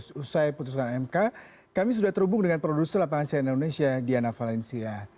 setelah putusan mk kami sudah terhubung dengan produser lapangan cnn indonesia diana valencia